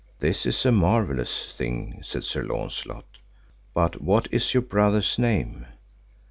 This is a marvellous thing, said Sir Launcelot, but what is your brother's name?